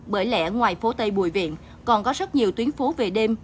bởi lẽ ngoài phố tây bùi viện còn có rất nhiều tuyến phố về đêm